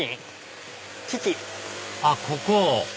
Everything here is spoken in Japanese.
あっここ？